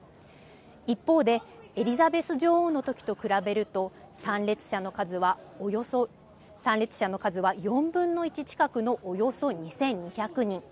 一方で、エリザベス女王のときと比べると、参列者の数は４分の１近くのおよそ２２００人。